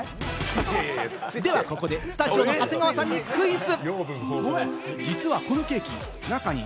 ではここで、スタジオの長谷川さんにクイズ。